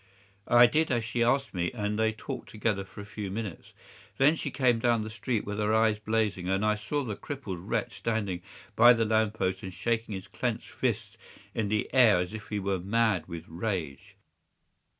"'I did as she asked me, and they talked together for a few minutes. Then she came down the street with her eyes blazing, and I saw the crippled wretch standing by the lamp post and shaking his clenched fists in the air as if he were mad with rage.